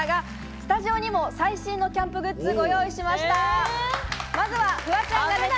スタジオにも最新キャンプグッズを用意しました。